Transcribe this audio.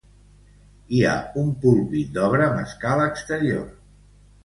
Hi ha un púlpit d'obra amb escala exterior.